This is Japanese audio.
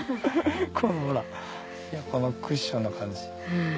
このほらクッションの感じ。